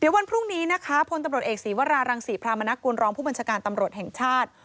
เดี๋ยววันพรุ่งนี้นะคะผลตำรวจเอกสีวารารังสีพระมณะกวนรองม์ผู้มันชการตำรวจแห่งชาติ